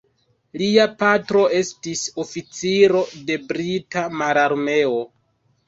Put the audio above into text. Lia patro estis oficiro de la brita mararmeo.